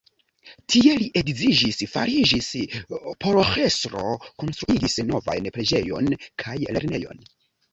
Tie li edziĝis, fariĝis paroĥestro, konstruigis novajn preĝejon kaj lernejon.